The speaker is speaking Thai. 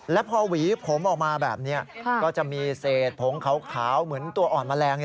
แล้วพอหวีผมออกมาแบบนี้ก็จะมีเศษผงขาวเหมือนตัวอ่อนแมลง